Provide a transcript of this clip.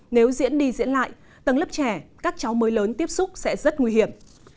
nếu diễn đi diễn lại tầng lớp trẻ các cháu mới lớn tiếp xúc sẽ rất nguy hiểm